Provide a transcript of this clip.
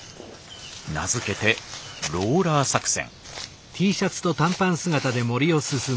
名付けて「ローラー作戦」。